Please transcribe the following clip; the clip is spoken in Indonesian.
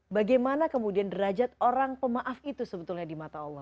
bagaimana kemudian derajat orang pemaaf itu sebetulnya di mata allah